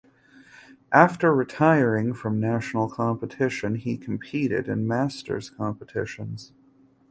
After retiring from national competition he competed in masters competitions.